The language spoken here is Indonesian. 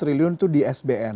sembilan belas triliun itu di sbn